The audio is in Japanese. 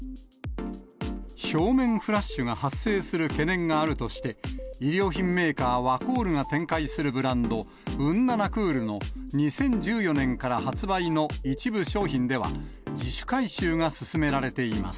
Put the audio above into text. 表面フラッシュが発生する懸念があるとして、衣料品メーカー、ワコールが展開するブランド、ウンナナクールの２０１４年から発売の一部商品では、自主回収が進められています。